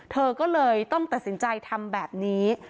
เธอก็เลยต้องตัดสินใจทำแบบนี้